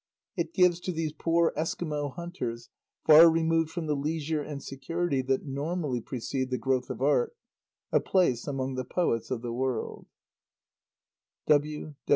It gives to these poor Eskimo hunters, far removed from the leisure and security that normally precede the growth of art, a place among the poets of the world.